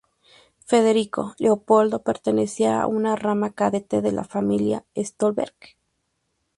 Federico Leopoldo pertenecía a una rama cadete de la familia Stolberg.